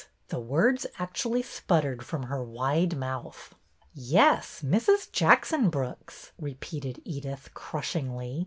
" The words actually sputtered from her wide mouth. " Yes, Mrs. Jackson Brooks," repeated Edyth, crushingly.